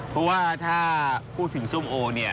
เพราะว่าถ้าพูดถึงส้มโอเนี่ย